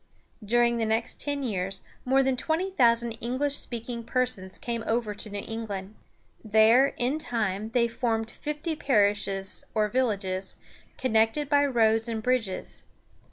During the next ten years, more than twenty thousand English speaking persons came over to New England. There, in time, they formed fifty parishes, or villages, connected by roads and bridges.